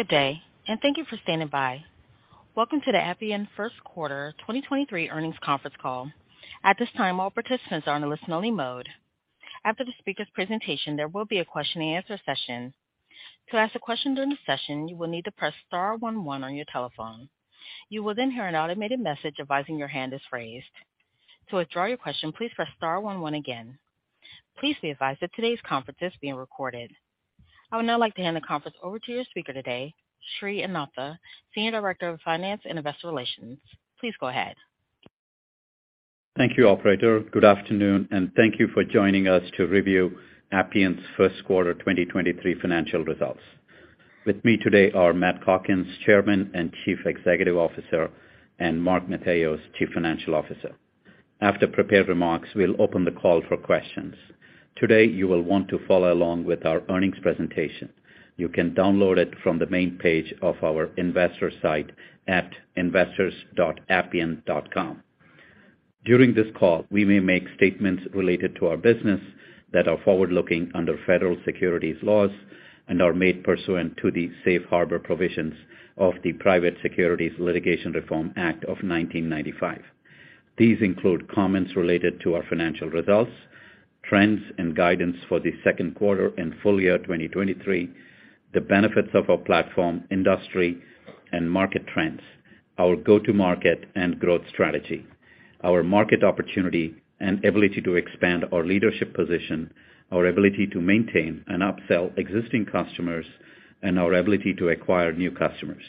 Good day. Thank you for standing by. Welcome to the Appian First Quarter 2023 Earnings Conference Call. At this time, all participants are in a listen-only mode. After the speaker's presentation, there will be a question-and-answer session. To ask a question during the session, you will need to press star 11 on your telephone. You will then hear an automated message advising your hand is raised. To withdraw your question, please press star 11 again. Please be advised that today's conference is being recorded. I would now like to hand the conference over to your speaker today, Sri Anantha, Senior Director of Finance and Investor Relations. Please go ahead. Thank you, operator. Good afternoon. Thank you for joining us to review Appian's first-quarter 2023 financial results. With me today are Matt Calkins, Chairman and Chief Executive Officer, and Mark Matheos, Chief Financial Officer. After prepared remarks, we'll open the call for questions. Today, you will want to follow along with our earnings presentation. You can download it from the main page of our investor site at investors.appian.com. During this call, we may make statements related to our business that are forward-looking under federal securities laws and are made pursuant to the Safe Harbor provisions of the Private Securities Litigation Reform Act of 1995. These include comments related to our financial results, trends and guidance for the second quarter and full year 2023, the benefits of our platform, industry and market trends, our go-to-market and growth strategy, our market opportunity and ability to expand our leadership position, our ability to maintain and upsell existing customers, and our ability to acquire new customers.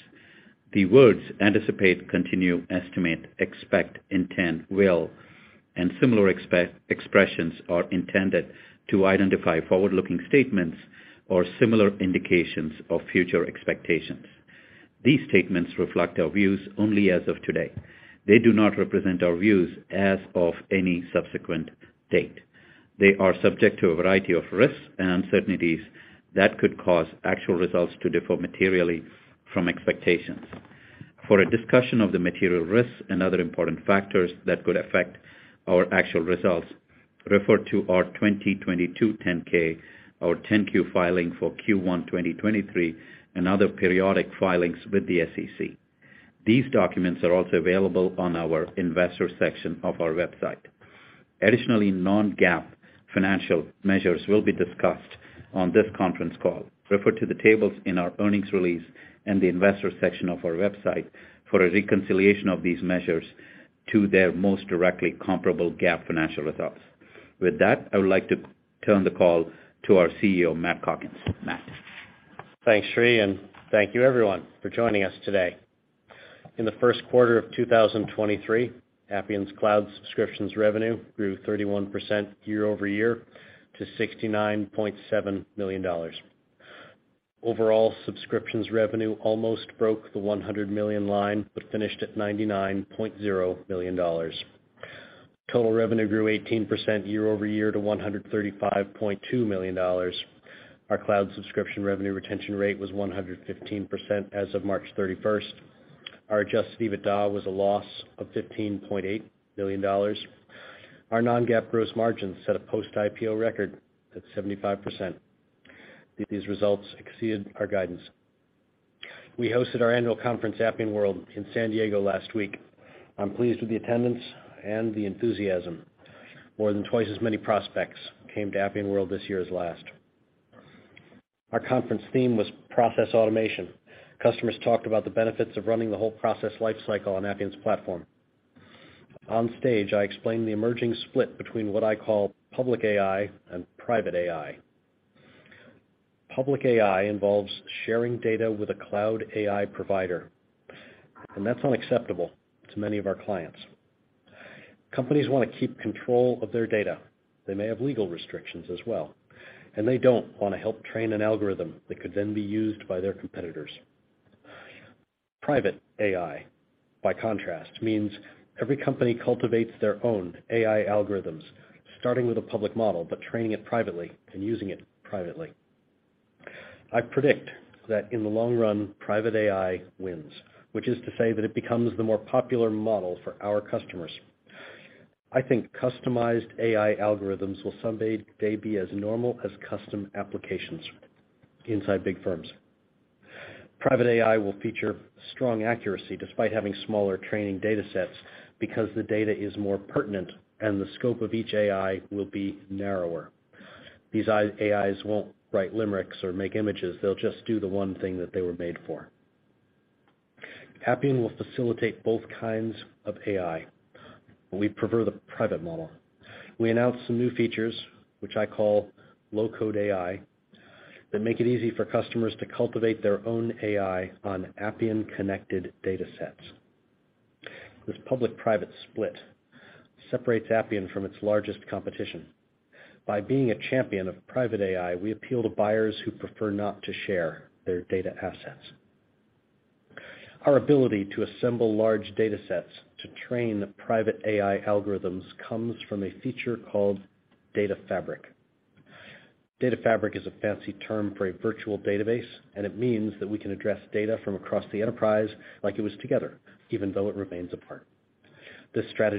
The words anticipate, continue, estimate, expect, intend, will, and similar expressions are intended to identify forward-looking statements or similar indications of future expectations. These statements reflect our views only as of today. They do not represent our views as of any subsequent date. They are subject to a variety of risks and uncertainties that could cause actual results to differ materially from expectations. For a discussion of the material risks and other important factors that could affect our actual results, refer to our 2022 10-K, our 10-Q filing for Q1 2023, and other periodic filings with the SEC. These documents are also available on our investor section of our website. Non-GAAP financial measures will be discussed on this conference call. Refer to the tables in our earnings release and the investor section of our website for a reconciliation of these measures to their most directly comparable GAAP financial results. I would like to turn the call to our CEO, Matt Calkins. Matt? Thanks, Sri. Thank you everyone for joining us today. In the first quarter of 2023, Appian's Cloud subscriptions revenue grew 31% year-over-year to $69.7 million. Overall subscriptions revenue almost broke the $100 million line but finished at $99.0 million. Total revenue grew 18% year-over-year to $135.2 million. Our cloud subscription revenue retention rate was 115% as of March 31st. Our adjusted EBITDA was a loss of $15.8 million. Our non-GAAP gross margin set a post-IPO record at 75%. These results exceeded our guidance. We hosted our annual conference, Appian World, in San Diego last week. I'm pleased with the attendance and the enthusiasm. More than twice as many prospects came to Appian World this year as last. Our conference theme was process automation. Customers talked about the benefits of running the whole process life cycle on Appian's platform. Onstage, I explained the emerging split between what I call public AI and private AI. Public AI involves sharing data with a cloud AI provider, and that's unacceptable to many of our clients. Companies want to keep control of their data. They may have legal restrictions as well, and they don't want to help train an algorithm that could then be used by their competitors. Private AI, by contrast, means every company cultivates their own AI algorithms, starting with a public model, but training it privately and using it privately. I predict that in the long run, private AI wins, which is to say that it becomes the more popular model for our customers. I think customized AI algorithms will someday, day be as normal as custom applications inside big firms. Private AI will feature strong accuracy despite having smaller training datasets because the data is more pertinent and the scope of each AI will be narrower. These AIs won't write limericks or make images. They'll just do the one thing that they were made for. Appian will facilitate both kinds of AI. We prefer the private model. We announced some new features, which I call low-code AI, that make it easy for customers to cultivate their own AI on Appian-connected datasets. This public-private split separates Appian from its largest competition. By being a champion of private AI, we appeal to buyers who prefer not to share their data assets. Our ability to assemble large datasets to train the private AI algorithms comes from a feature called data fabric. data fabric is a fancy term for a virtual database. It means that we can address data from across the enterprise like it was together, even though it remains apart.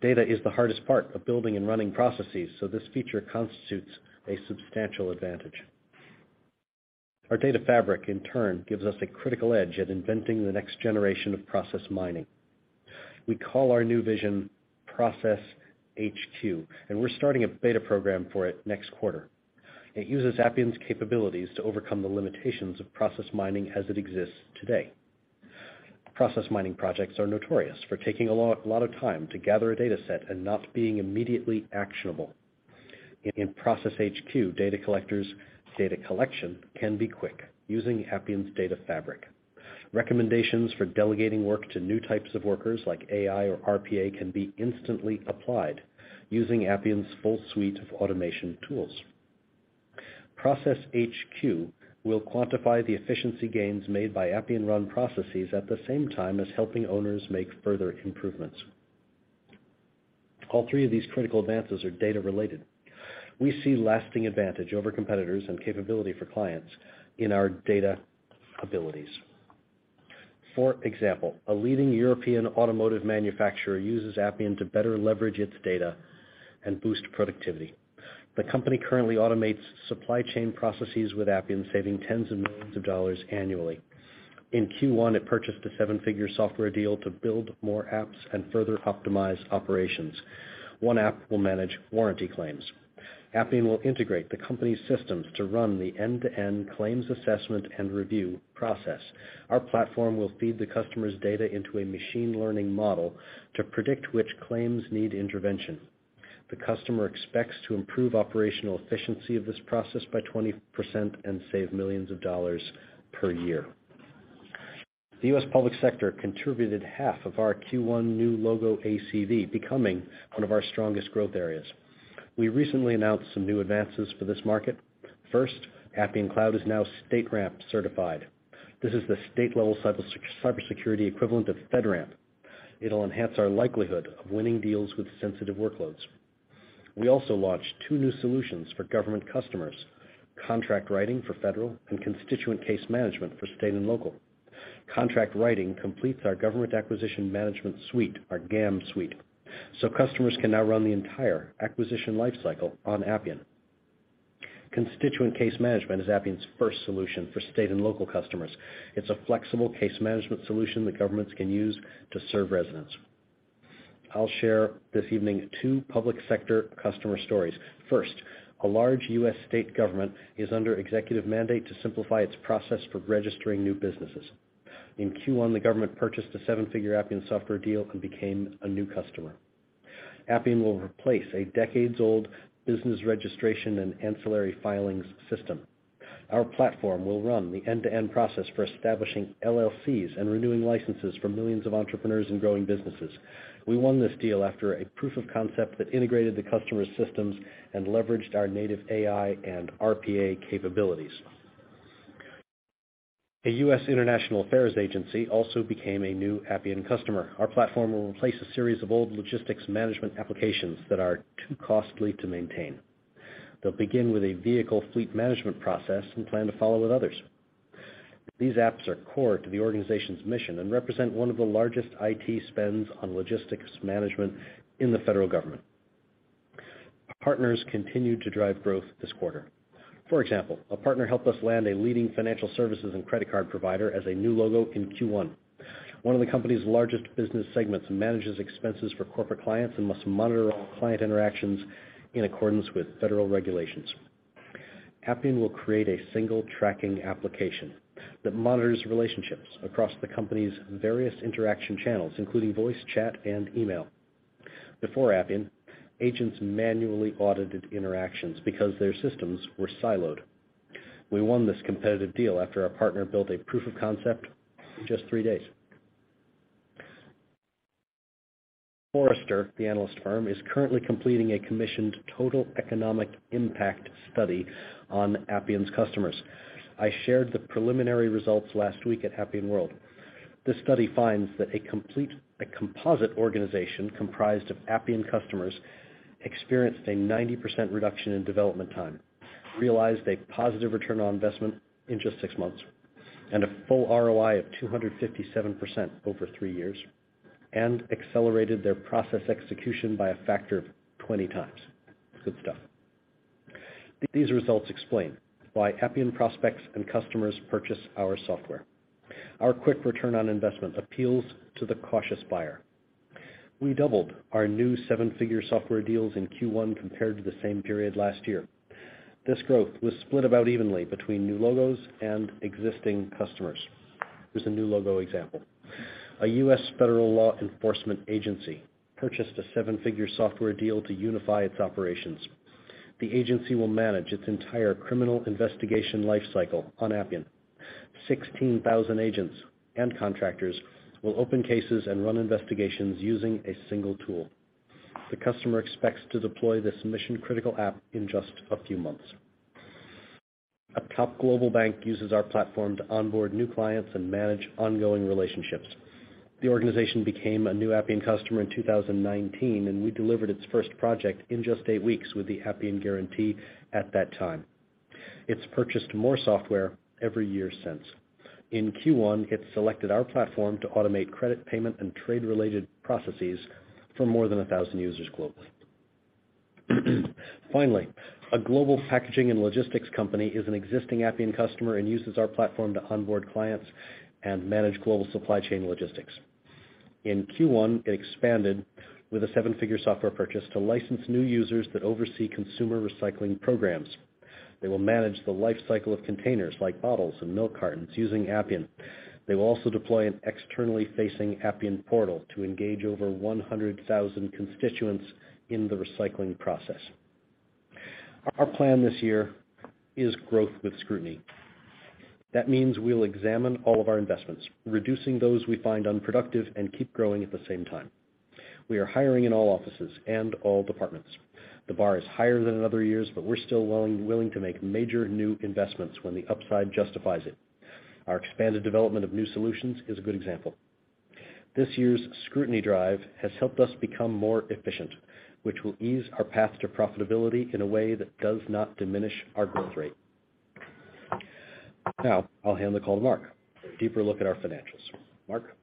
Data is the hardest part of building and running processes. This feature constitutes a substantial advantage. Our data fabric, in turn, gives us a critical edge at inventing the next generation of process mining. We call our new vision Process HQ. We're starting a beta program for it next quarter. It uses Appian's capabilities to overcome the limitations of process mining as it exists today. Process mining projects are notorious for taking a lot of time to gather a data set. Not being immediately actionable. In Process HQ, data collection can be quick using Appian's data fabric. Recommendations for delegating work to new types of workers, like AI or RPA, can be instantly applied using Appian's full suite of automation tools. Process HQ will quantify the efficiency gains made by Appian-run processes at the same time as helping owners make further improvements. All three of these critical advances are data-related. We see lasting advantage over competitors and capability for clients in our data abilities. For example, a leading European automotive manufacturer uses Appian to better leverage its data and boost productivity. The company currently automates supply chain processes with Appian, saving tens of millions of dollars annually. In Q1, it purchased a seven-figure software deal to build more apps and further optimize operations. One app will manage warranty claims. Appian will integrate the company's systems to run the end-to-end claims assessment and review process. Our platform will feed the customer's data into a machine learning model to predict which claims need intervention. The customer expects to improve operational efficiency of this process by 20% and save millions of dollars per year. The U.S. public sector contributed half of our Q1 new logo ACV, becoming one of our strongest growth areas. We recently announced some new advances for this market. First, Appian Cloud is now StateRAMP certified. This is the state-level cybersecurity equivalent of FedRAMP. It'll enhance our likelihood of winning deals with sensitive workloads. We also launched two new solutions for government customers, contract writing for federal and constituent case management for state and local. Contract writing completes our Government Acquisition Management suite, our GAM suite, customers can now run the entire acquisition life cycle on Appian. Constituent case management is Appian's first solution for state and local customers. It's a flexible case management solution that governments can use to serve residents. I'll share this evening two public sector customer stories. First, a large U.S. state government is under executive mandate to simplify its process for registering new businesses. In Q1, the government purchased a seven-figure Appian software deal and became a new customer. Appian will replace a decades-old business registration and ancillary filings system. Our platform will run the end-to-end process for establishing LLCs and renewing licenses for millions of entrepreneurs and growing businesses. We won this deal after a proof of concept that integrated the customer's systems and leveraged our native AI and RPA capabilities. A U.S. international affairs agency also became a new Appian customer. Our platform will replace a series of old logistics management applications that are too costly to maintain. They'll begin with a vehicle fleet management process and plan to follow with others. These apps are core to the organization's mission and represent one of the largest IT spends on logistics management in the federal government. Partners continued to drive growth this quarter. For example, a partner helped us land a leading financial services and credit card provider as a new logo in Q1. One of the company's largest business segments manages expenses for corporate clients and must monitor all client interactions in accordance with federal regulations. Appian will create a single tracking application that monitors relationships across the company's various interaction channels, including voice chat and email. Before Appian, agents manually audited interactions because their systems were siloed. We won this competitive deal after our partner built a proof of concept in just three days. Forrester, the analyst firm, is currently completing a commissioned Total Economic Impact study on Appian's customers. I shared the preliminary results last week at Appian World. This study finds that a composite organization comprised of Appian customers experienced a 90% reduction in development time, realized a positive return on investment in just six months, and a full ROI of 257% over three years, and accelerated their process execution by a factor of 20x. Good stuff. These results explain why Appian prospects and customers purchase our software. Our quick return on investment appeals to the cautious buyer. We doubled our new seven-figure software deals in Q1 compared to the same period last year. This growth was split about evenly between new logos and existing customers. Here's a new logo example. A U.S. federal law enforcement agency purchased a seven-figure software deal to unify its operations. The agency will manage its entire criminal investigation life cycle on Appian. 16,000 agents and contractors will open cases and run investigations using a single tool. The customer expects to deploy this mission-critical app in just a few months. A top global bank uses our platform to onboard new clients and manage ongoing relationships. The organization became a new Appian customer in 2019. We delivered its first project in just eight weeks with the Appian Guarantee at that time. It's purchased more software every year since. In Q1, it selected our platform to automate credit, payment, and trade-related processes for more than 1,000 users globally. A global packaging and logistics company is an existing Appian customer and uses our platform to onboard clients and manage global supply chain logistics. In Q1, it expanded with a seven-figure software purchase to license new users that oversee consumer recycling programs. They will manage the life cycle of containers like bottles and milk cartons using Appian. They will also deploy an externally facing Appian Portal to engage over 100,000 constituents in the recycling process. Our plan this year is growth with scrutiny. We'll examine all of our investments, reducing those we find unproductive, and keep growing at the same time. We are hiring in all offices and all departments. The bar is higher than in other years, but we're still willing to make major new investments when the upside justifies it. Our expanded development of new solutions is a good example. This year's scrutiny drive has helped us become more efficient, which will ease our path to profitability in a way that does not diminish our growth rate. I'll hand the call to Mark for a deeper look at our financials. Mark?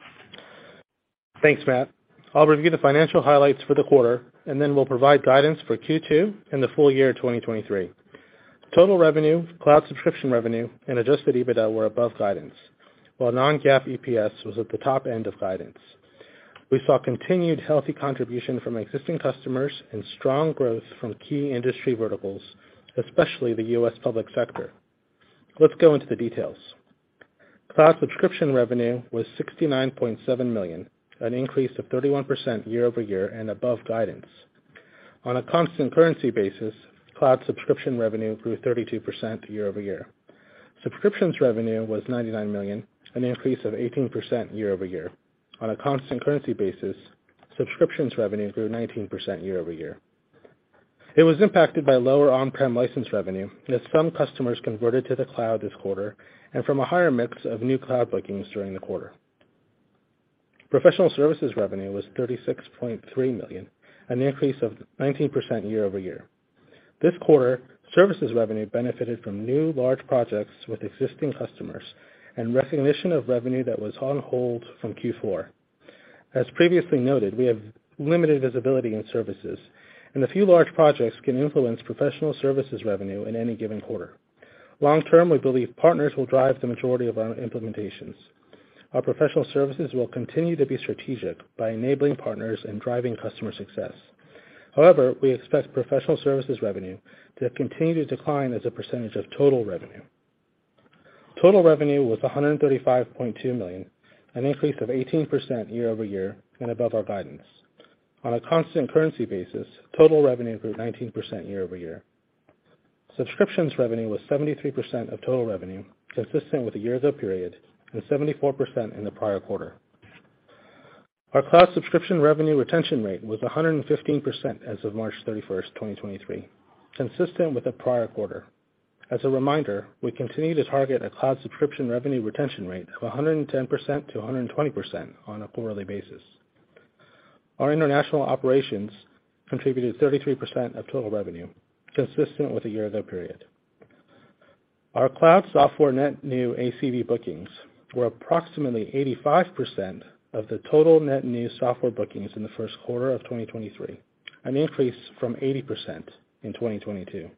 Thanks, Matt. I'll review the financial highlights for the quarter. We'll provide guidance for Q2 and the full year of 2023. Total revenue, cloud subscription revenue, and adjusted EBITDA were above guidance, while non-GAAP EPS was at the top end of guidance. We saw continued healthy contribution from existing customers and strong growth from key industry verticals, especially the U.S. public sector. Let's go into the details. Cloud subscription revenue was $69.7 million, an increase of 31% year-over-year and above guidance. On a constant currency basis, cloud subscription revenue grew 32% year-over-year. Subscriptions revenue was $99 million, an increase of 18% year-over-year. On a constant currency basis, subscriptions revenue grew 19% year-over-year. It was impacted by lower on-prem license revenue as some customers converted to the cloud this quarter and from a higher mix of new cloud bookings during the quarter. Professional services revenue was $36.3 million, an increase of 19% year-over-year. This quarter, services revenue benefited from new large projects with existing customers and recognition of revenue that was on hold from Q4. As previously noted, we have limited visibility in services, and a few large projects can influence professional services revenue in any given quarter. Long term, we believe partners will drive the majority of our implementations. Our professional services will continue to be strategic by enabling partners and driving customer success. However, we expect professional services revenue to continue to decline as a percentage of total revenue. Total revenue was $135.2 million, an increase of 18% year-over-year and above our guidance. On a constant currency basis, total revenue grew 19% year-over-year. Subscriptions revenue was 73% of total revenue, consistent with the year ago period and 74% in the prior quarter. Our cloud subscription revenue retention rate was 115% as of March 31st, 2023, consistent with the prior quarter. As a reminder, we continue to target a cloud subscription revenue retention rate of 110%-120% on a quarterly basis. Our international operations contributed 33% of total revenue, consistent with the year ago period. Our cloud software net new ACV bookings were approximately 85% of the total net new software bookings in the first quarter of 2023, an increase from 80% in 2022.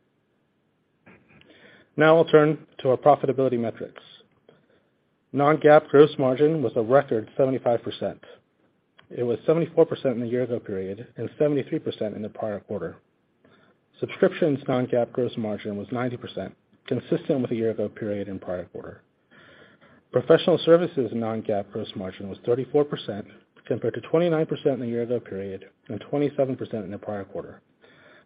I'll turn to our profitability metrics. Non-GAAP gross margin was a record 75%. It was 74% in the year-ago period and 73% in the prior quarter. Subscriptions non-GAAP gross margin was 90%, consistent with the year-ago period and prior quarter. Professional services non-GAAP gross margin was 34%, compared to 29% in the year-ago period and 27% in the prior quarter.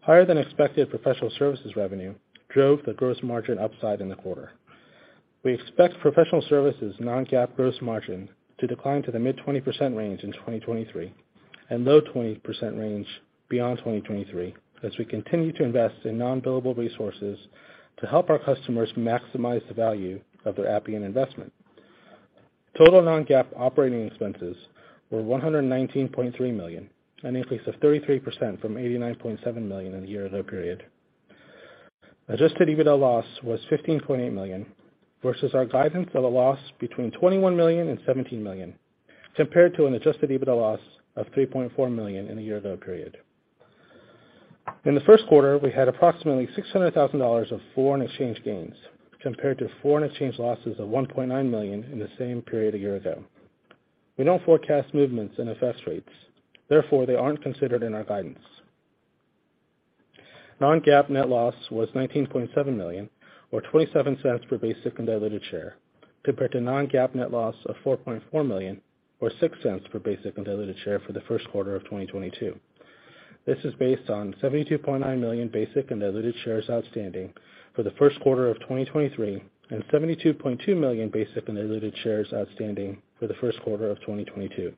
Higher than expected professional services revenue drove the gross margin upside in the quarter. We expect professional services non-GAAP gross margin to decline to the mid-20% range in 2023, and low 20% range beyond 2023, as we continue to invest in non-billable resources to help our customers maximize the value of their Appian investment. Total non-GAAP operating expenses were $119.3 million, an increase of 33% from $89.7 million in the year-ago period. adjusted EBITDA loss was $15.8 million, versus our guidance for the loss between $21 million and $17 million, compared to an adjusted EBITDA loss of $3.4 million in the year-ago period. In the first quarter, we had approximately $600,000 of foreign exchange gains, compared to foreign exchange losses of $1.9 million in the same period a year ago. We don't forecast movements in FS rates, therefore, they aren't considered in our guidance. Non-GAAP net loss was $19.7 million or $0.27 per basic and diluted share, compared to non-GAAP net loss of $4.4 million or $0.06 per basic and diluted share for the first quarter of 2022. This is based on 72.9 million basic and diluted shares outstanding for the first quarter of 2023 and 72.2 million basic and diluted shares outstanding for the first quarter of 2022.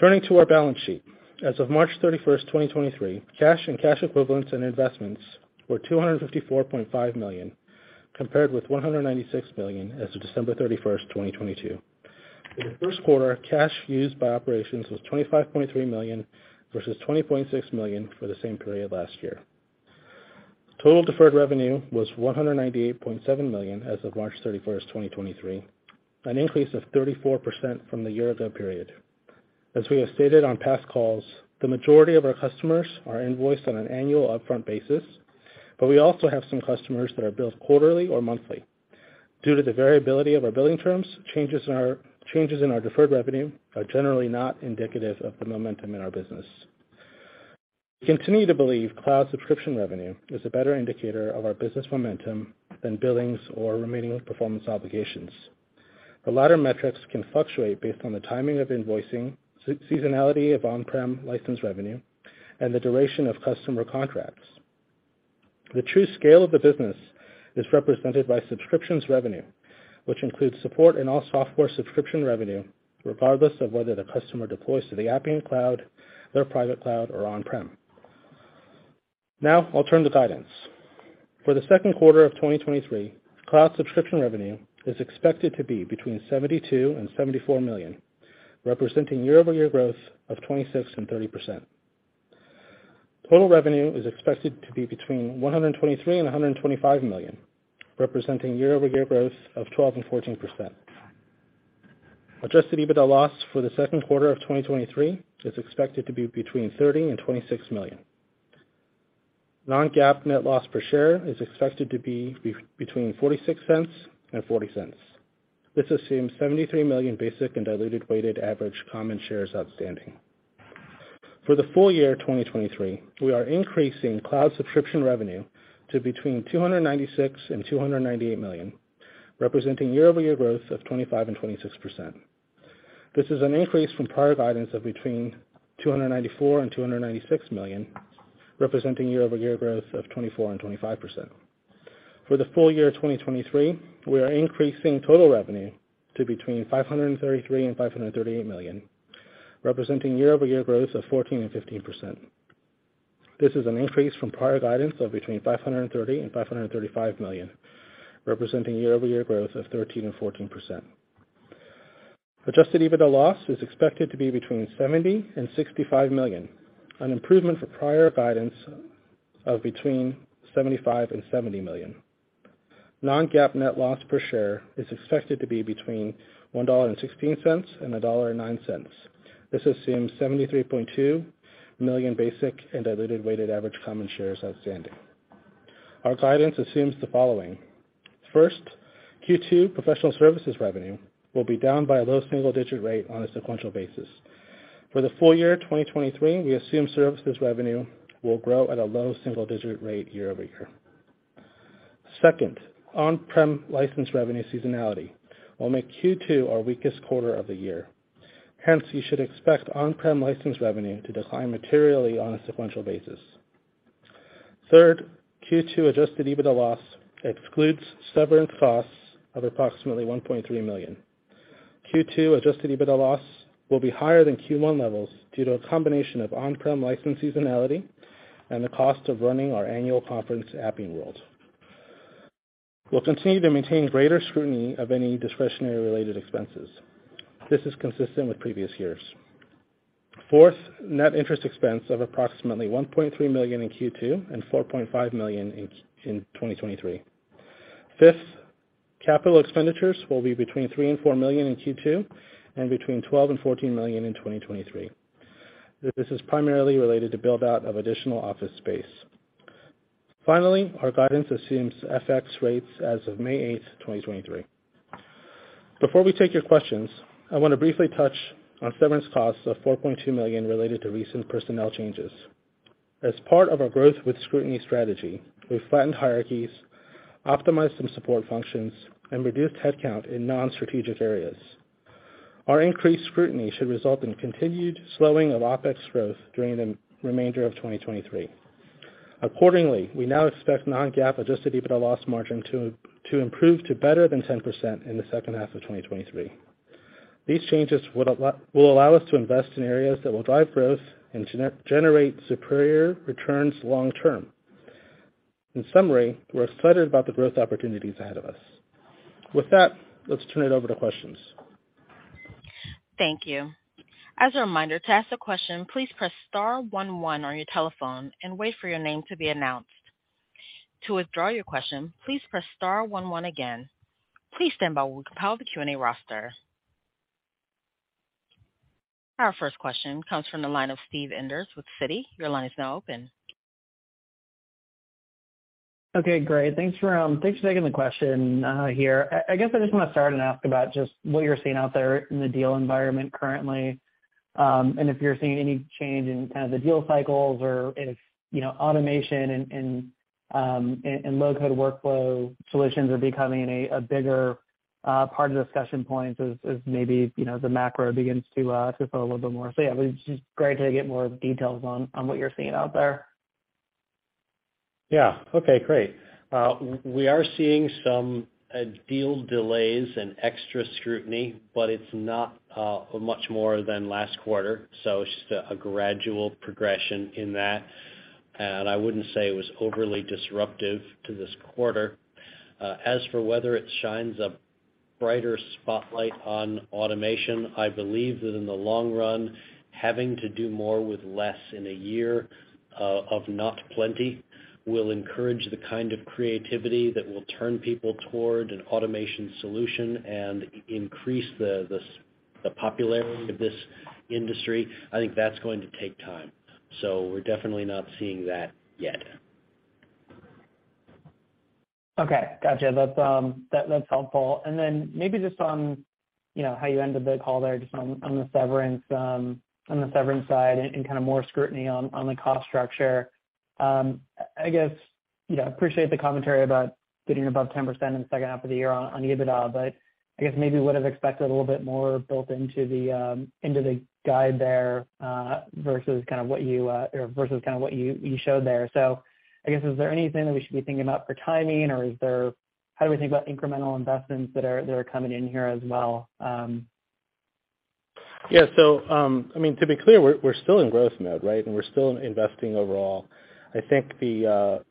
Turning to our balance sheet. As of March 31, 2023, cash and cash equivalents and investments were $254.5 million, compared with $196 million as of December 31, 2022. In the first quarter, cash used by operations was $25.3 million versus $20.6 million for the same period last year. Total deferred revenue was $198.7 million as of March 31, 2023, an increase of 34% from the year-ago period. As we have stated on past calls, the majority of our customers are invoiced on an annual upfront basis, but we also have some customers that are billed quarterly or monthly. Due to the variability of our billing terms, changes in our deferred revenue are generally not indicative of the momentum in our business. We continue to believe cloud subscription revenue is a better indicator of our business momentum than billings or remaining performance obligations. The latter metrics can fluctuate based on the timing of invoicing, seasonality of on-prem license revenue, and the duration of customer contracts. The true scale of the business is represented by subscriptions revenue, which includes support and all software subscription revenue, regardless of whether the customer deploys to the Appian Cloud, their private cloud, or on-prem. I'll turn to guidance. For the 2Q of 2023, cloud subscription revenue is expected to be between $72 million-$74 million, representing year-over-year growth of 26%-30%. Total revenue is expected to be between $123 million-$125 million, representing year-over-year growth of 12%-14%. Adjusted EBITDA loss for the second quarter of 2023 is expected to be between $30 million and $26 million. Non-GAAP net loss per share is expected to be between $0.46 and $0.40. This assumes 73 million basic and diluted weighted average common shares outstanding. For the full year 2023, we are increasing cloud subscription revenue to between $296 million and $298 million, representing year-over-year growth of 25% and 26%. This is an increase from prior guidance of between $294 million and $296 million, representing year-over-year growth of 24% and 25%. For the full year 2023, we are increasing total revenue to between $533 million and $538 million, representing year-over-year growth of 14% and 15%. This is an increase from prior guidance of between $530 million and $535 million, representing year-over-year growth of 13% and 14%. Adjusted EBITDA loss is expected to be between $70 million and $65 million, an improvement for prior guidance of between $75 million and $70 million. Non-GAAP net loss per share is expected to be between $1.16 and $1.09. This assumes 73.2 million basic and diluted weighted average common shares outstanding. Our guidance assumes the following. First, Q2 professional services revenue will be down by a low single-digit rate on a sequential basis. For the full year 2023, we assume services revenue will grow at a low single-digit rate year-over-year. Second, on-prem license revenue seasonality will make Q2 our weakest quarter of the year. You should expect on-prem license revenue to decline materially on a sequential basis. Third, Q2 adjusted EBITDA loss excludes severance costs of approximately $1.3 million. Q2 adjusted EBITDA loss will be higher than Q1 levels due to a combination of on-prem license seasonality and the cost of running our annual conference, Appian World. We'll continue to maintain greater scrutiny of any discretionary related expenses. This is consistent with previous years. Fourth, net interest expense of approximately $1.3 million in Q2 and $4.5 million in 2023. Fifth, capital expenditures will be between $3 million-$4 million in Q2 and between $12 million-$14 million in 2023. This is primarily related to build-out of additional office space. Finally, our guidance assumes FX rates as of May 8, 2023. Before we take your questions, I want to briefly touch on severance costs of $4.2 million related to recent personnel changes. As part of our growth with scrutiny strategy, we've flattened hierarchies, optimized some support functions, and reduced headcount in non-strategic areas. Our increased scrutiny should result in continued slowing of OpEx growth during the remainder of 2023. Accordingly, we now expect non-GAAP adjusted EBITDA loss margin to improve to better than 10% in the second half of 2023. These changes will allow us to invest in areas that will drive growth and generate superior returns long term. In summary, we're excited about the growth opportunities ahead of us. With that, let's turn it over to questions. Thank you. As a reminder, to ask a question, please press star one one on your telephone and wait for your name to be announced. To withdraw your question, please press star one one again. Please stand by while we compile the Q&A roster. Our first question comes from the line of Steve Enders with Citi. Your line is now open. Okay, great. Thanks for taking the question here. I guess I just want to start and ask about just what you're seeing out there in the deal environment currently, and if you're seeing any change in kind of the deal cycles or if, you know, automation and low-code workflow solutions are becoming a bigger part of the discussion points as maybe, you know, the macro begins to flow a little bit more? Yeah, it was just great to get more details on what you're seeing out there. Yeah. Okay, great. We are seeing some deal delays and extra scrutiny, but it's not much more than last quarter, so it's just a gradual progression in that. I wouldn't say it was overly disruptive to this quarter. As for whether it shines a brighter spotlight on automation, I believe that in the long run, having to do more with less in a year of not plenty will encourage the kind of creativity that will turn people toward an automation solution and increase the popularity of this industry. I think that's going to take time. We're definitely not seeing that yet. Okay. Gotcha. That's helpful. Then maybe just on the severance, on the severance side and kind of more scrutiny on the cost structure. I guess, you know, appreciate the commentary about getting above 10% in the second half of the year on EBITDA, but I guess maybe would have expected a little bit more built into the guide there versus kind of what you or versus kind of what you showed there. I guess, is there anything that we should be thinking about for timing or is there? How do we think about incremental investments that are coming in here as well? Yeah. I mean, to be clear, we're still in growth mode, right? We're still investing overall. I think the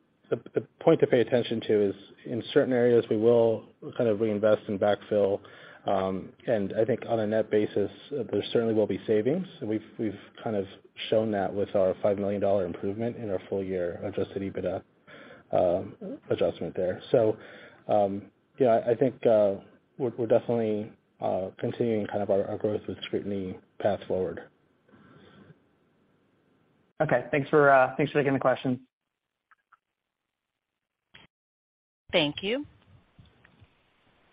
point to pay attention to is in certain areas, we will kind of reinvest in backfill. I think on a net basis, there certainly will be savings. We've kind of shown that with our $5 million improvement in our full year adjusted EBITDA adjustment there. Yeah, I think we're definitely continuing kind of our growth with scrutiny path forward. Thanks for taking the question. Thank you.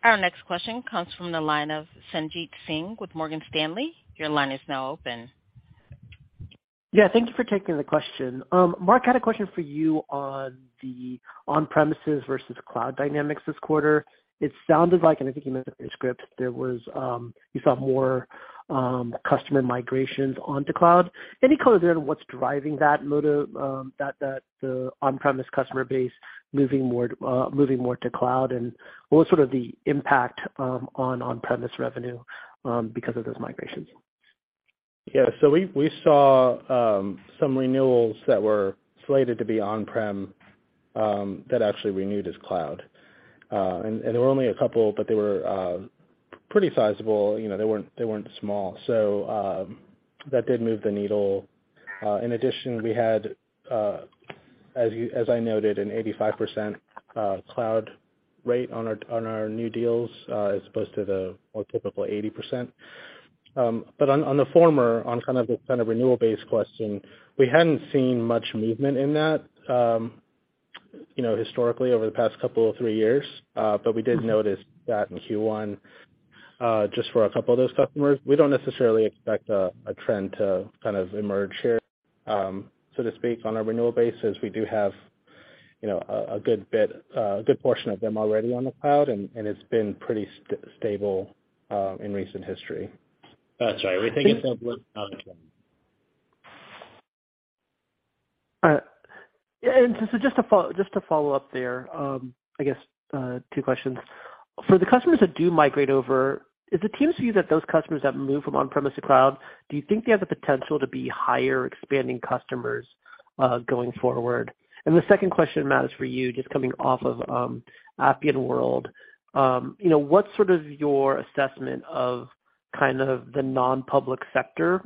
Our next question comes from the line of Sanjit Singh with Morgan Stanley. Your line is now open. Thank you for taking the question. Mark Matheos, I had a question for you on the on-premises versus cloud dynamics this quarter. It sounded like, and I think you mentioned in the script, there was, you saw more customer migrations onto cloud. Any color there on what's driving that move to that on-premise customer base moving more to cloud? What was sort of the impact on on-premise revenue because of those migrations? We saw some renewals that were slated to be on-prem that actually renewed as cloud. And there were only a couple, but they were pretty sizable. You know, they weren't small. That did move the needle. In addition, we had as I noted, an 85% cloud rate on our new deals, as opposed to the more typical 80%. On the former, on kind of the renewal-based question, we hadn't seen much movement in that, you know, historically over the past couple or three years. We did notice that in Q1 just for a couple of those customers. We don't necessarily expect a trend to kind of emerge here, so to speak. On our renewal basis, we do have, you know, a good bit, a good portion of them already on the cloud, and it's been pretty stable in recent history. That's right. We think it's All right. Just to follow up there, I guess, two questions. For the customers that do migrate over, does it seem to you that those customers that move from on-premise to cloud, do you think they have the potential to be higher expanding customers going forward? The second question, Matt, is for you, just coming off of Appian World. You know, what's sort of your assessment of kind of the non-public sector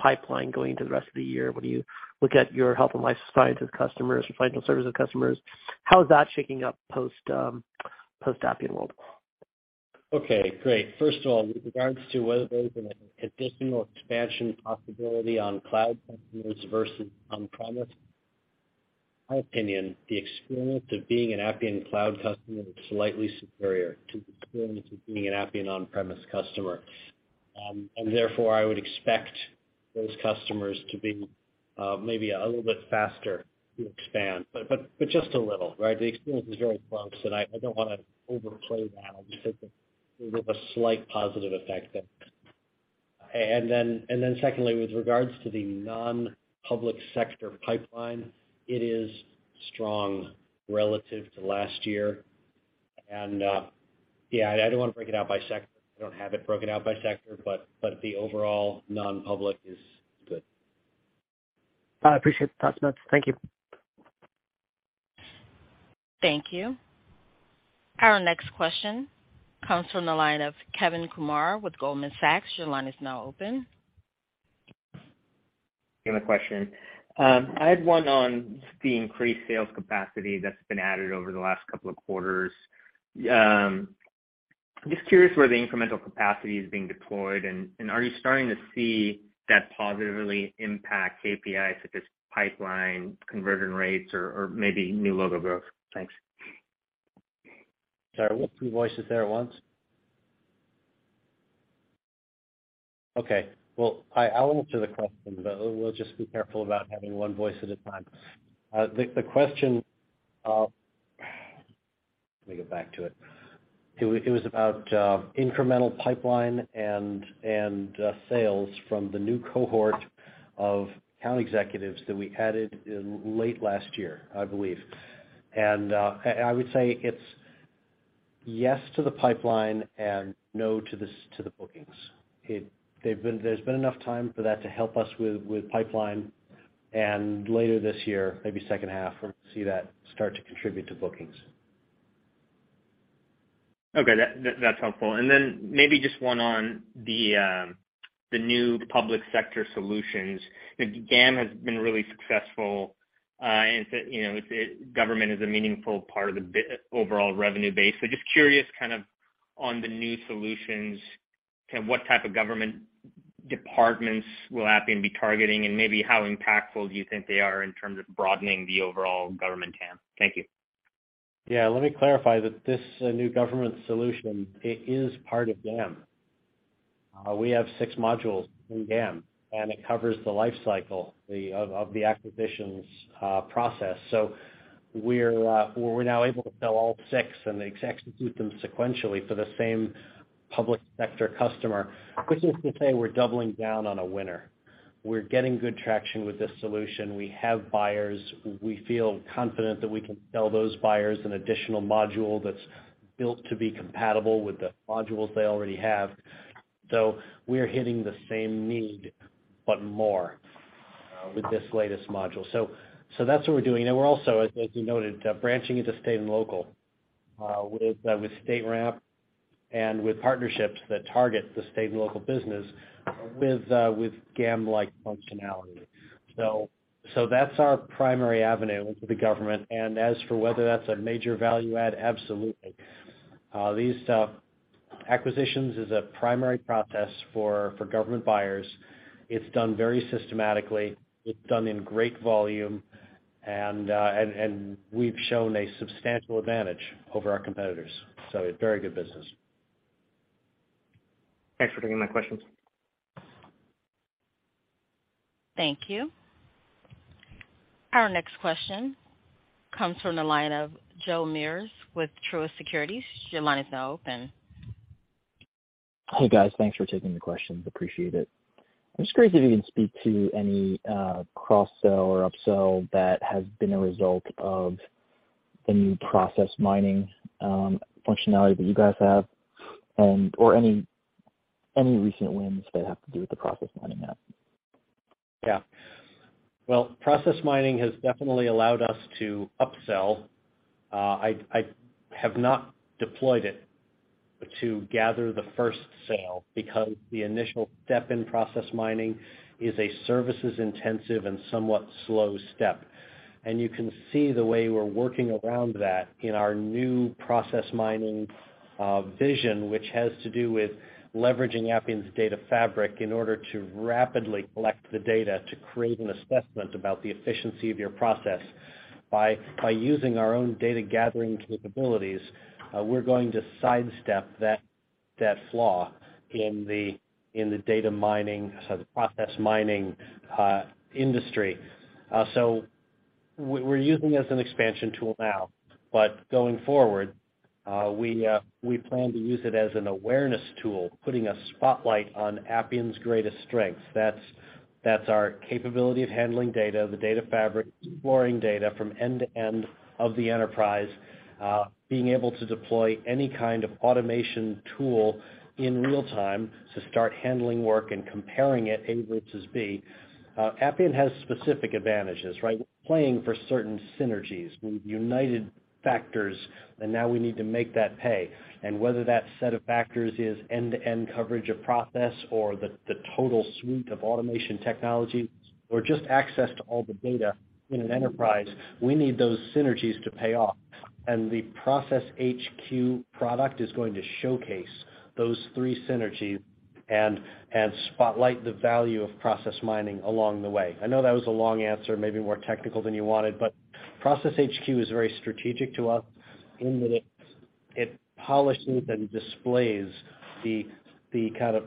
pipeline going into the rest of the year? When you look at your health and life sciences customers or financial services customers, how is that shaping up post post Appian World? Okay, great. First of all, with regards to whether there's an additional expansion possibility on cloud customers versus on-premise, in my opinion, the experience of being an Appian Cloud customer is slightly superior to the experience of being an Appian on-premise customer. Therefore, I would expect those customers to be maybe a little bit faster to expand. Just a little, right? The experience is very close, and I don't wanna overplay that. I'll just say that there's a slight positive effect there. Then secondly, with regards to the non-public sector pipeline, it is strong relative to last year. Yeah, I don't wanna break it out by sector. I don't have it broken out by sector, but the overall non-public is good. I appreciate the thoughts, Matt. Thank you. Thank you. Our next question comes from the line of Kevin Kumar with Goldman Sachs. Your line is now open. Yeah, my question. I had one on the increased sales capacity that's been added over the last couple of quarters. Just curious where the incremental capacity is being deployed. Are you starting to see that positively impact KPIs such as pipeline conversion rates or maybe new logo growth? Thanks. Sorry, were two voices there at once? Okay. Well, I'll answer the question, but we'll just be careful about having one voice at a time. The question. Let me get back to it. It was about incremental pipeline and sales from the new cohort of account executives that we added in late last year, I believe. I would say it's yes to the pipeline and no to the bookings. There's been enough time for that to help us with pipeline. Later this year, maybe second half, we'll see that start to contribute to bookings. Okay. That's helpful. Maybe just one on the new public sector solutions. GAM has been really successful, and it's at, you know, government is a meaningful part of the overall revenue base. Just curious kind of on the new solutions, kind of what type of government departments will Appian be targeting and maybe how impactful do you think they are in terms of broadening the overall government TAM? Thank you. Yeah, let me clarify that this new government solution, it is part of GAM. We have six modules in GAM. It covers the life cycle of the acquisitions process. We're now able to sell all six and execute them sequentially for the same public sector customer, which is to say we're doubling down on a winner. We're getting good traction with this solution. We have buyers. We feel confident that we can sell those buyers an additional module that's built to be compatible with the modules they already have. We're hitting the same need, but more with this latest module. That's what we're doing. We're also, as you noted, branching into state and local with StateRAMP and with partnerships that target the state and local business with GAM-like functionality. That's our primary avenue into the government. As for whether that's a major value add, absolutely. These acquisitions is a primary process for government buyers. It's done very systematically. It's done in great volume, and we've shown a substantial advantage over our competitors. A very good business. Thanks for taking my questions. Thank you. Our next question comes from the line of Joe Meares with Truist Securities. Your line is now open. Hey, guys. Thanks for taking the questions. Appreciate it. I'm just curious if you can speak to any cross-sell or up-sell that has been a result of the new process mining functionality that you guys have and/or any recent wins that have to do with the process mining app. Yeah. Well, process mining has definitely allowed us to up-sell. I have not deployed it to gather the first sale because the initial step in process mining is a services-intensive and somewhat slow step. You can see the way we're working around that in our new process mining vision, which has to do with leveraging Appian's data fabric in order to rapidly collect the data to create an assessment about the efficiency of your process. By using our own data gathering capabilities, we're going to sidestep that flaw in the data mining, so the process mining industry. We're using it as an expansion tool now, but going forward, we plan to use it as an awareness tool, putting a spotlight on Appian's greatest strengths. That's our capability of handling data, the data fabric, exploring data from end to end of the enterprise, being able to deploy any kind of automation tool in real time to start handling work and comparing it A versus B. Appian has specific advantages, right? We're playing for certain synergies. We've united factors, now we need to make that pay. Whether that set of factors is end-to-end coverage of process or the total suite of automation technology or just access to all the data in an enterprise, we need those synergies to pay off. The Process HQ product is going to showcase those three synergies and spotlight the value of process mining along the way. I know that was a long answer, maybe more technical than you wanted, but Process HQ is very strategic to us in that it polishes and displays the kind of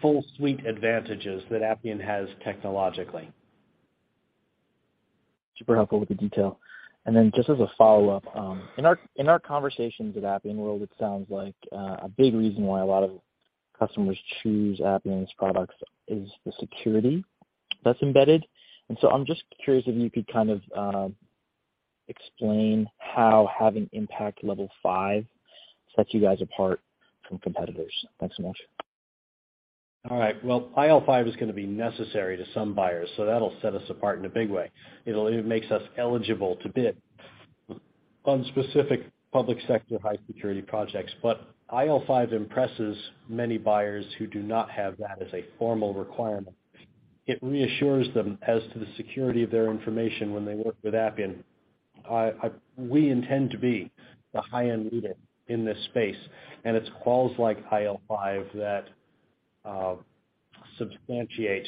full suite advantages that Appian has technologically. Super helpful with the detail. Just as a follow-up, in our conversations at Appian World, it sounds like a big reason why a lot of customers choose Appian's products is the security that's embedded. I'm just curious if you could kind of explain how having impact level five sets you guys apart from competitors. Thanks so much. All right. Well, IL5 is gonna be necessary to some buyers, so that'll set us apart in a big way. It makes us eligible to bid on specific public sector high security projects. IL5 impresses many buyers who do not have that as a formal requirement. It reassures them as to the security of their information when they work with Appian. We intend to be the high-end leader in this space, and it's quals like IL5 that substantiate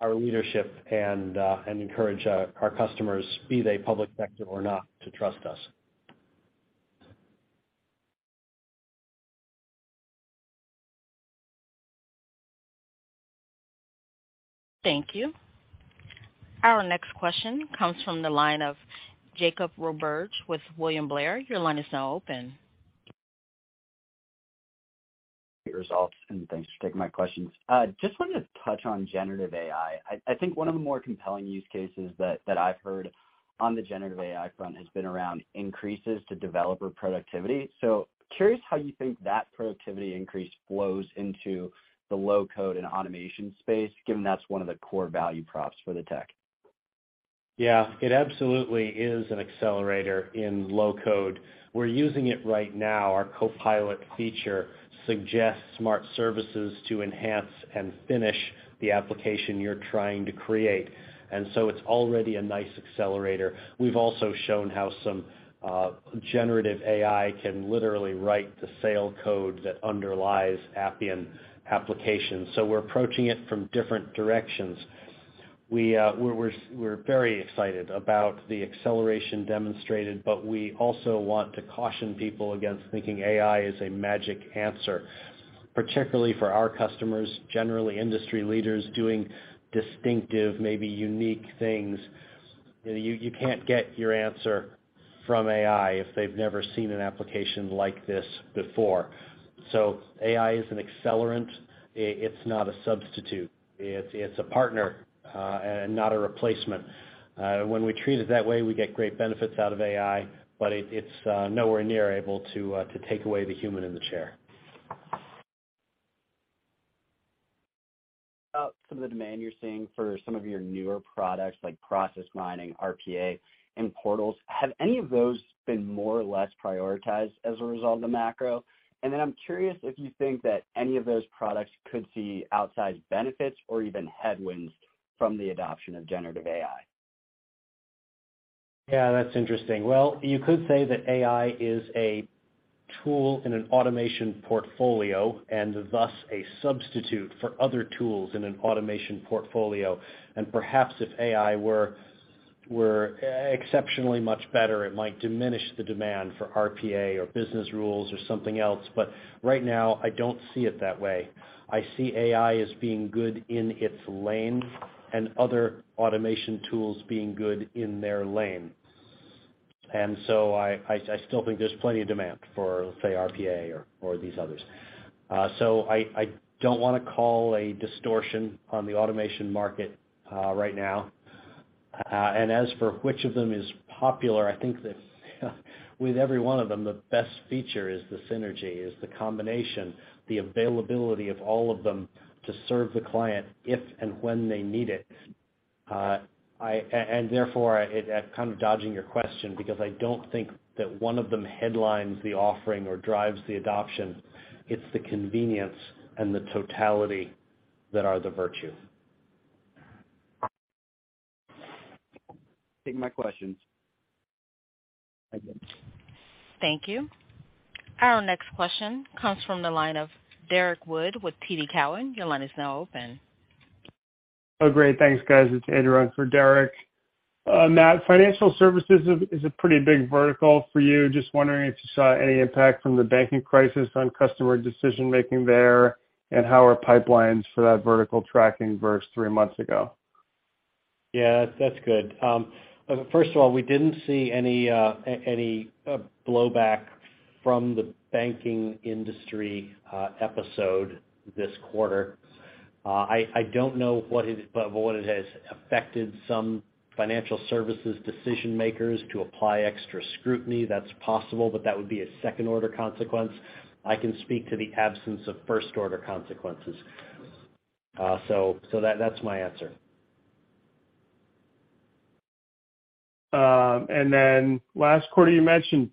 our leadership and encourage our customers, be they public sector or not, to trust us. Thank you. Our next question comes from the line of Jake Roberge with William Blair. Your line is now open. Great results. Thanks for taking my questions. Just wanted to touch on generative AI. I think one of the more compelling use cases that I've heard on the generative AI front has been around increases to developer productivity. Curious how you think that productivity increase flows into the low-code and automation space, given that's one of the core value props for the tech. Yeah. It absolutely is an accelerator in low code. We're using it right now. Our Copilot feature suggests smart services to enhance and finish the application you're trying to create. It's already a nice accelerator. We've also shown how some generative AI can literally write the source code that underlies Appian applications. We're approaching it from different directions. We're very excited about the acceleration demonstrated. We also want to caution people against thinking AI is a magic answer, particularly for our customers, generally industry leaders doing distinctive, maybe unique things. You can't get your answer from AI if they've never seen an application like this before. AI is an accelerant. It's not a substitute. It's a partner and not a replacement. When we treat it that way, we get great benefits out of AI, but it's nowhere near able to take away the human in the chair. About some of the demand you're seeing for some of your newer products like process mining, RPA, and portals, have any of those been more or less prioritized as a result of the macro? I'm curious if you think that any of those products could see outsized benefits or even headwinds from the adoption of generative AI. Yeah, that's interesting. Well, you could say that AI is a tool in an automation portfolio and thus a substitute for other tools in an automation portfolio. Perhaps if AI were exceptionally much better, it might diminish the demand for RPA or business rules or something else. Right now, I don't see it that way. I see AI as being good in its lane and other automation tools being good in their lane. I still think there's plenty of demand for, say, RPA or these others. I don't wanna call a distortion on the automation market right now. As for which of them is popular, I think that with every one of them, the best feature is the synergy, is the combination, the availability of all of them to serve the client if and when they need it. Therefore, I'm kind of dodging your question because I don't think that one of them headlines the offering or drives the adoption. It's the convenience and the totality that are the virtue. Take my questions. Thank you. Our next question comes from the line of Derrick Wood with TD Cowen. Your line is now open. Oh, great. Thanks, guys. It's Andrew in for Derrick. Matt, financial services is a pretty big vertical for you. Just wondering if you saw any impact from the banking crisis on customer decision-making there, and how are pipelines for that vertical tracking versus three months ago? Yeah, that's good. First of all, we didn't see any blowback from the banking industry episode this quarter. I don't know what it, but what it has affected some financial services decision makers to apply extra scrutiny. That's possible, but that would be a second-order consequence. I can speak to the absence of first-order consequences. That's my answer. Then last quarter, you mentioned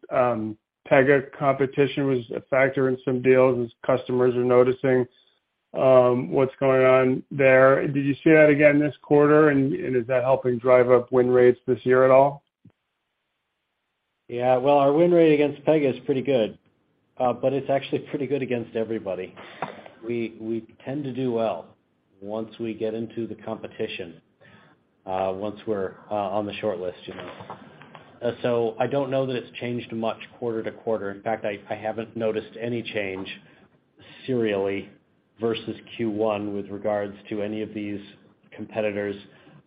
Pega competition was a factor in some deals as customers are noticing what's going on there. Did you see that again this quarter? Is that helping drive up win rates this year at all? Yeah. Well, our win rate against Pega is pretty good, but it's actually pretty good against everybody. We tend to do well once we get into the competition, once we're on the shortlist, you know. I don't know that it's changed much quarter to quarter. In fact, I haven't noticed any change serially versus Q1 with regards to any of these competitors,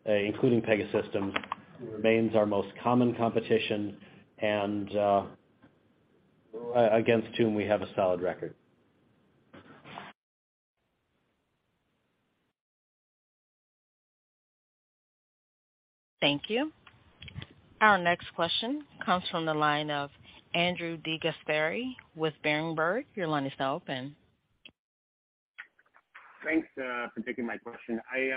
including Pegasystems, who remains our most common competition and against whom we have a solid record. Thank you. Our next question comes from the line of Andrew DeGasperi with Berenberg. Your line is now open. Thanks for taking my question. I,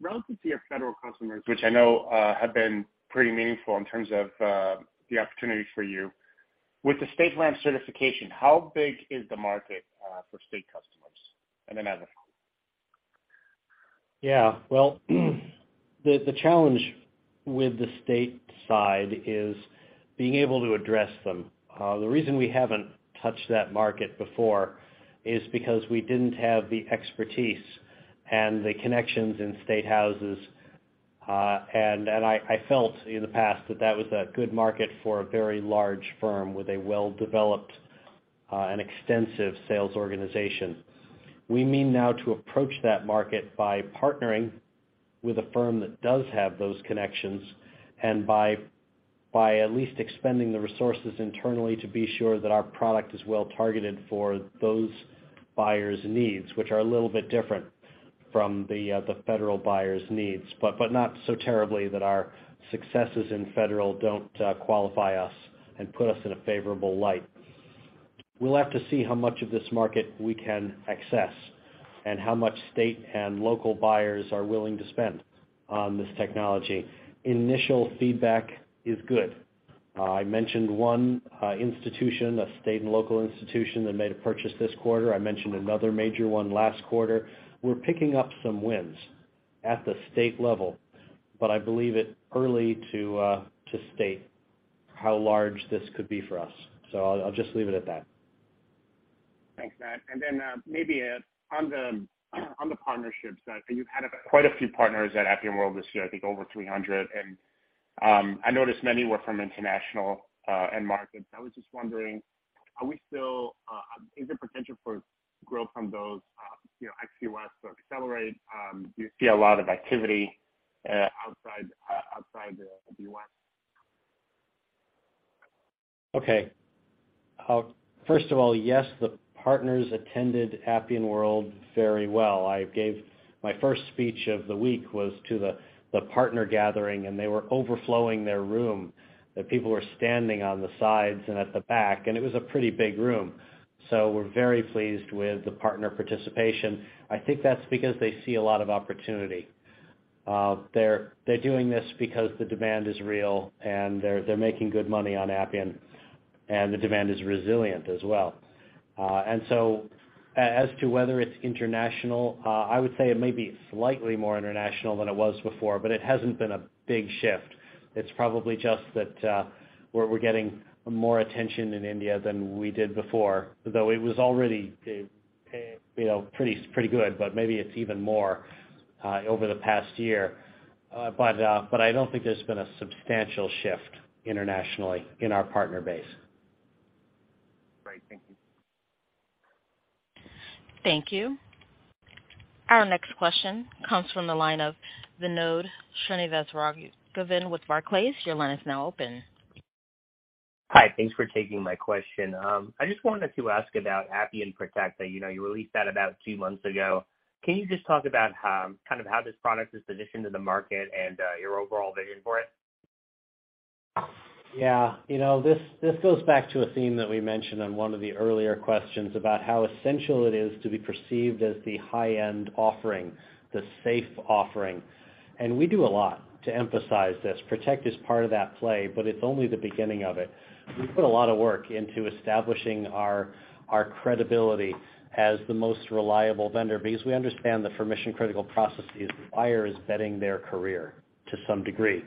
relative to your federal customers, which I know have been pretty meaningful in terms of the opportunities for you. With the StateRAMP certification, how big is the market for state customers? Then as a follow-up. Well, the challenge with the state side is being able to address them. The reason we haven't touched that market before is because we didn't have the expertise and the connections in state houses, and I felt in the past that that was a good market for a very large firm with a well-developed and extensive sales organization. We mean now to approach that market by partnering with a firm that does have those connections and by at least expending the resources internally to be sure that our product is well targeted for those buyers' needs, which are a little bit different from the federal buyers' needs, but not so terribly that our successes in federal don't qualify us and put us in a favorable light. We'll have to see how much of this market we can access and how much state and local buyers are willing to spend on this technology. Initial feedback is good. I mentioned one institution, a state and local institution that made a purchase this quarter. I mentioned another major one last quarter. We're picking up some wins at the state level, but I believe it early to state how large this could be for us. I'll just leave it at that. Thanks, Matt. Maybe on the partnerships that you had quite a few partners at Appian World this year, I think over 300, and I noticed many were from international end markets. I was just wondering, is there potential for growth from those, you know, XUS or accelerate? Do you see a lot of activity outside the U.S.? Okay. First of all, yes, the partners attended Appian World very well. My first speech of the week was to the partner gathering, and they were overflowing their room, that people were standing on the sides and at the back, and it was a pretty big room. We're very pleased with the partner participation. I think that's because they see a lot of opportunity. They're doing this because the demand is real, and they're making good money on Appian, and the demand is resilient as well. As to whether it's international, I would say it may be slightly more international than it was before, but it hasn't been a big shift. It's probably just that, we're getting more attention in India than we did before, though it was already, you know, pretty good, but maybe it's even more over the past year. I don't think there's been a substantial shift internationally in our partner base. Great. Thank you. Thank you. Our next question comes from the line of Vinod Srinivasaraghavan with Barclays. Your line is now open. Hi. Thanks for taking my question. I just wanted to ask about Appian Protect. You know, you released that about two months ago. Can you just talk about kind of how this product is positioned in the market and your overall vision for it? Yeah. You know, this goes back to a theme that we mentioned on one of the earlier questions about how essential it is to be perceived as the high-end offering, the safe offering. We do a lot to emphasize this. Protect is part of that play, but it's only the beginning of it. We put a lot of work into establishing our credibility as the most reliable vendor because we understand that for mission-critical processes, the buyer is betting their career to some degree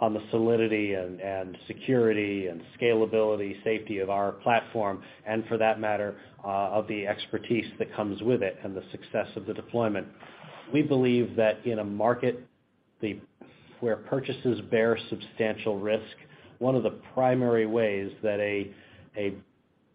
on the solidity and security and scalability, safety of our platform, and for that matter, of the expertise that comes with it and the success of the deployment. We believe that in a market where purchases bear substantial risk, one of the primary ways that a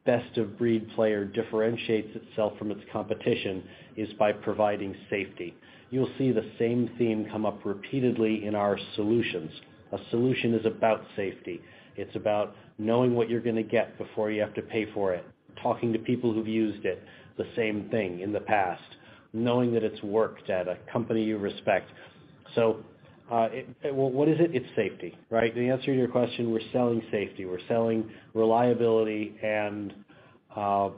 best-of-breed player differentiates itself from its competition is by providing safety. You'll see the same theme come up repeatedly in our solutions. A solution is about safety. It's about knowing what you're gonna get before you have to pay for it, talking to people who've used it, the same thing in the past, knowing that it's worked at a company you respect. What is it? It's safety, right? The answer to your question, we're selling safety, we're selling reliability and a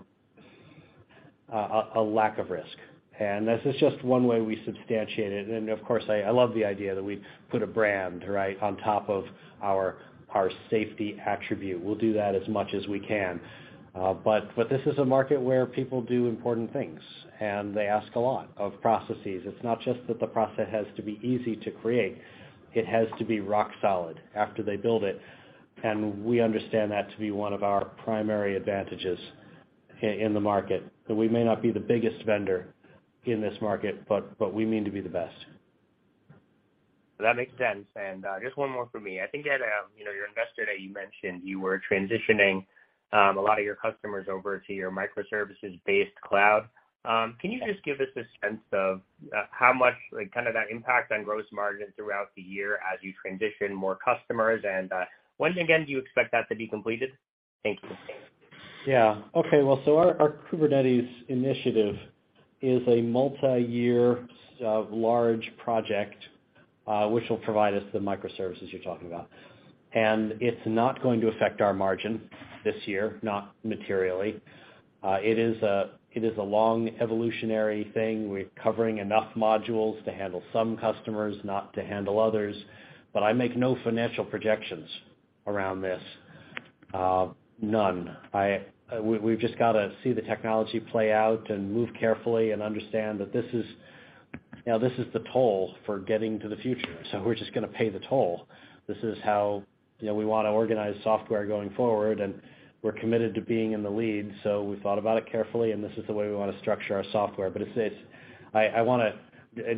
lack of risk. This is just one way we substantiate it. Of course, I love the idea that we put a brand, right, on top of our safety attribute. We'll do that as much as we can. This is a market where people do important things, and they ask a lot of processes. It's not just that the process has to be easy to create. It has to be rock solid after they build it. We understand that to be one of our primary advantages in the market, that we may not be the biggest vendor in this market, but we mean to be the best. That makes sense. Just one more for me. I think at, you know, your investor day, you mentioned you were transitioning a lot of your customers over to your microservices-based cloud. Can you just give us a sense of how much, like, kind of that impact on gross margin throughout the year as you transition more customers? When again do you expect that to be completed? Thank you. Yeah. Okay. Our Kubernetes initiative is a multiyear, large project, which will provide us the microservices you're talking about. It's not going to affect our margin this year, not materially. It is a long evolutionary thing. We're covering enough modules to handle some customers, not to handle others. I make no financial projections around this, none. We've just got to see the technology play out and move carefully and understand that this is, you know, this is the toll for getting to the future. We're just gonna pay the toll. This is how, you know, we wanna organize software going forward, and we're committed to being in the lead. We thought about it carefully, and this is the way we wanna structure our software. It's I wanna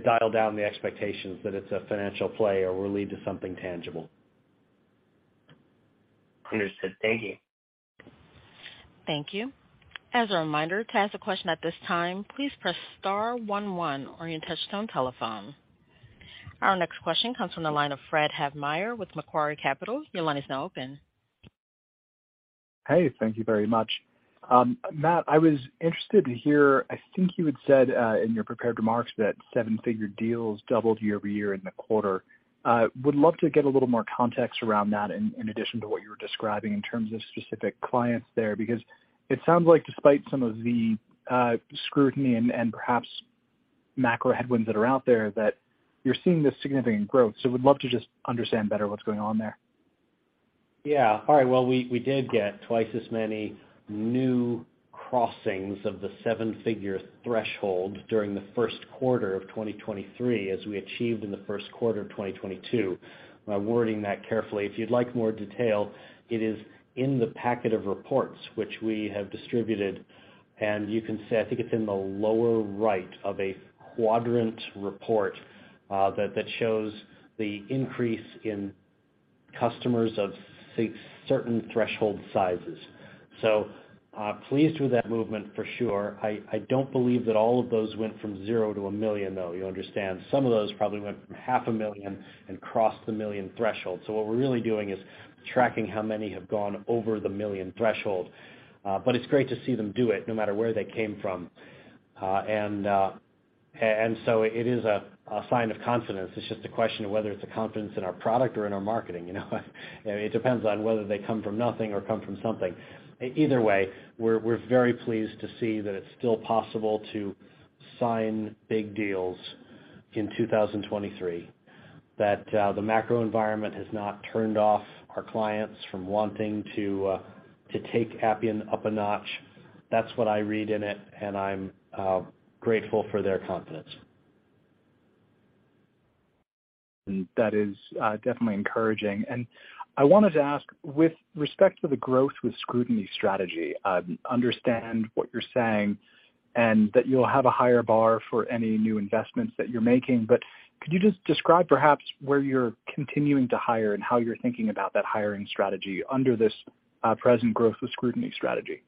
dial down the expectations that it's a financial play or will lead to something tangible. Understood. Thank you. Thank you. As a reminder, to ask a question at this time, please press star one one on your touchtone telephone. Our next question comes from the line of Fred Havemeyer with Macquarie Capital. Your line is now open. Hey, thank you very much. Matt, I was interested to hear, I think you had said in your prepared remarks that seven-figure deals doubled year-over-year in the quarter. Would love to get a little more context around that in addition to what you were describing in terms of specific clients there. It sounds like despite some of the scrutiny and perhaps macro headwinds that are out there, that you're seeing this significant growth. Would love to just understand better what's going on there. All right. We did get twice as many new crossings of the seven-figure threshold during the first quarter of 2023, as we achieved in the first quarter of 2022. I'm wording that carefully. If you'd like more detail, it is in the packet of reports which we have distributed, you can see I think it's in the lower right of a quadrant report that shows the increase in customers of certain threshold sizes. Pleased with that movement for sure. I don't believe that all of those went from $0-$1 million, though, you understand. Some of those probably went from half a million and crossed the $1 million threshold. What we're really doing is tracking how many have gone over the $1 million threshold. It's great to see them do it no matter where they came from. It is a sign of confidence. It's just a question of whether it's a confidence in our product or in our marketing, you know? It depends on whether they come from nothing or come from something. Either way, we're very pleased to see that it's still possible to sign big deals in 2023, that the macro environment has not turned off our clients from wanting to take Appian up a notch. That's what I read in it, and I'm grateful for their confidence. That is definitely encouraging. I wanted to ask, with respect to the growth with scrutiny strategy, understand what you're saying and that you'll have a higher bar for any new investments that you're making, but could you just describe perhaps where you're continuing to hire and how you're thinking about that hiring strategy under this present growth with scrutiny strategy?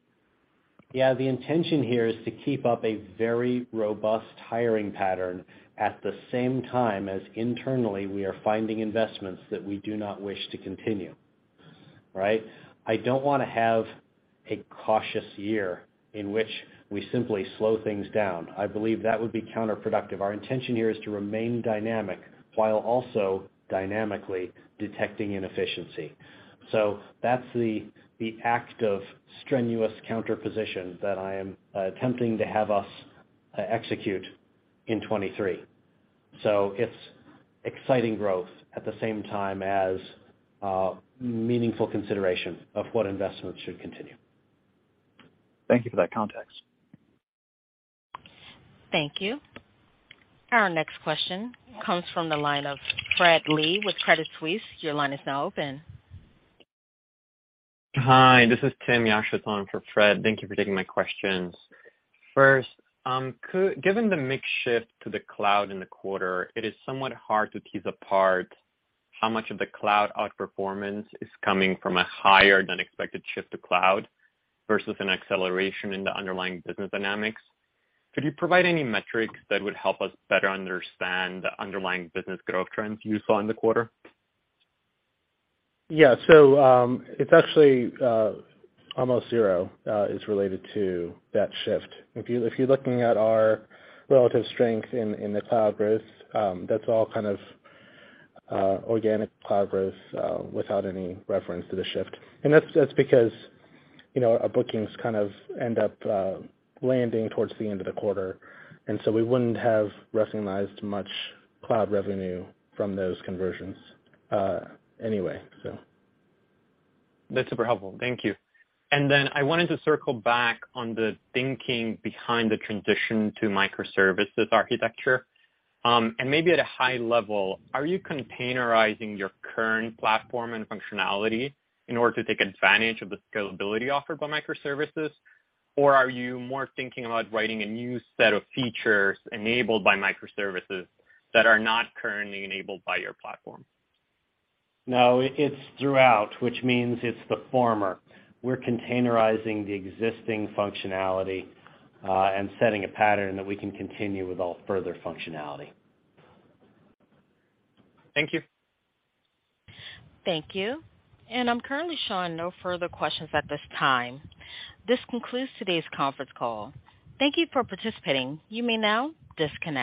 Yeah. The intention here is to keep up a very robust hiring pattern at the same time as internally we are finding investments that we do not wish to continue, right? I don't wanna have a cautious year in which we simply slow things down. I believe that would be counterproductive. Our intention here is to remain dynamic while also dynamically detecting inefficiency. That's the act of strenuous counterposition that I am attempting to have us execute in 23. It's exciting growth at the same time as meaningful consideration of what investments should continue. Thank you for that context. Thank you. Our next question comes from the line of Fred Lee with Credit Suisse. Your line is now open. Hi, this is Tim [Yashwanth] for Fred. Thank you for taking my questions. First, given the mix shift to the cloud in the quarter, it is somewhat hard to tease apart how much of the cloud outperformance is coming from a higher than expected shift to cloud versus an acceleration in the underlying business dynamics. Could you provide any metrics that would help us better understand the underlying business growth trends you saw in the quarter? Yeah. It's actually almost zero is related to that shift. If you're looking at our relative strength in the cloud growth, that's all kind of organic cloud growth without any reference to the shift. That's because, you know, our bookings kind of end up landing towards the end of the quarter, and so we wouldn't have recognized much cloud revenue from those conversions anyway, so. That's super helpful. Thank you. I wanted to circle back on the thinking behind the transition to microservices architecture. Maybe at a high level, are you containerizing your current platform and functionality in order to take advantage of the scalability offered by microservices, or are you more thinking about writing a new set of features enabled by microservices that are not currently enabled by your platform? No, it's throughout, which means it's the former. We're containerizing the existing functionality, and setting a pattern that we can continue with all further functionality. Thank you. Thank you. I'm currently showing no further questions at this time. This concludes today's conference call. Thank you for participating. You may now disconnect.